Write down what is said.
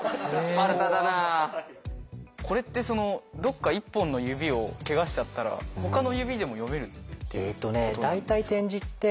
これってそのどっか１本の指をけがしちゃったらほかの指でも読める？